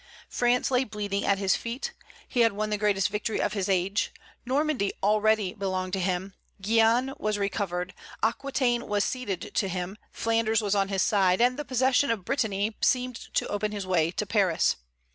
France lay bleeding at his feet; he had won the greatest victory of his age; Normandy already belonged to him, Guienne was recovered, Aquitaine was ceded to him, Flanders was on his side, and the possession of Brittany seemed to open his way to Paris.